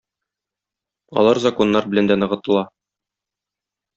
Алар законнар белән дә ныгытыла.